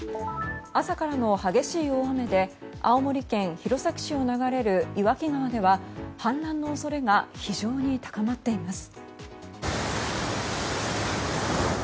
朝からの激しい大雨で青森県弘前市を流れる岩木川では氾濫の恐れが非常に高まっています。